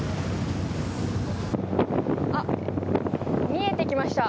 見えてきました。